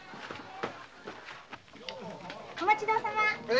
お待ちどおさま。